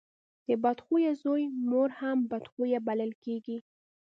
د بد خويه زوی مور هم بد خويه بلل کېږي.